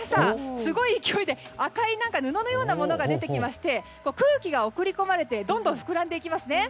すごい勢いで赤い、何か布のようなものが出てきまして空気が送り込まれてどんどん膨らんでいきますね。